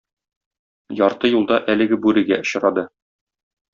Ярты юлда әлеге бүрегә очрады.